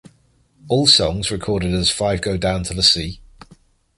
All songs recorded as Five Go Down to the Sea?